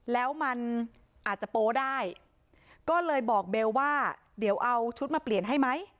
แล้วมันอาจจะโป๊ได้ก็เลยบอกเบลว่าเดี๋ยวเอาชุดมาเปลี่ยนให้ไหม